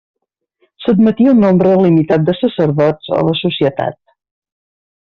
S'admetia un nombre limitat de sacerdots a la societat.